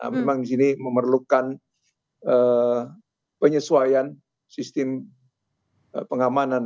memang di sini memerlukan penyesuaian sistem pengamanan